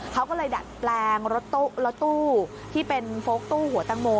เขาก็เลยดัดแปลงรถตู้ที่เป็นโฟลกตู้หัวตังโม